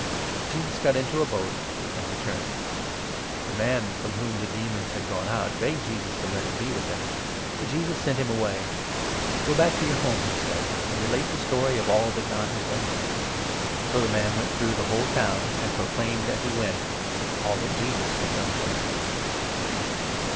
Jesus got into a boat and returned. The man from whom the demons had gone out 38 begged Jesus to let him be with him ; but Jesus sent him away. " Go back to your home," he said, " and relate the story of 39 all that God has done for you." 124 LUKE, a So the man went through the whole town and proclaimed, as he went, all that Jesus had done for him.